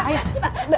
ayah mbak nur